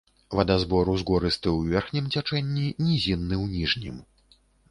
Вадазбор узгорысты ў верхнім цячэнні, нізінны ў ніжнім.